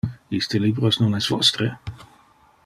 Iste libros non es vostre?